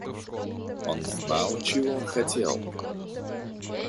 Он знал, чего он хотел.